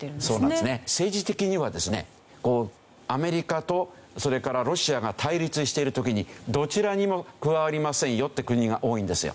政治的にはですねアメリカとそれからロシアが対立している時にどちらにも加わりませんよって国が多いんですよ。